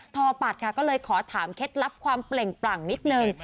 อปัดค่ะก็เลยขอถามเคล็ดลับความเปล่งปลั่งนิดนึง